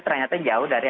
ternyata jauh dari